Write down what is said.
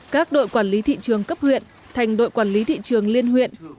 các đội quản lý thị trường cấp huyện thành đội quản lý thị trường liên huyện